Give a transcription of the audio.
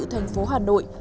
thành phố hà nội